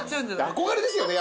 憧れですよね